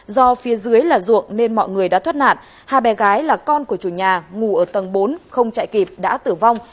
do phía dưới là ruộng nên mọi người đã thoát nạn hai bé gái là con của chủ nhà ngủ ở tầng bốn không chạy kịp đã tử vong